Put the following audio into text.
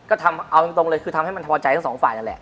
เอาจริงเลยคือทำให้มันพอใจทั้ง๒ฝ่ายนั่นแหละ